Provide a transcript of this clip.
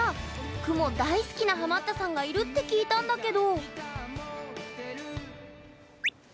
雲大好きなハマったさんがいるって聞いたんだけど。